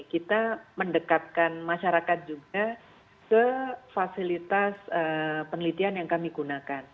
jadi kita mendekatkan masyarakat juga ke fasilitas penelitian yang kami gunakan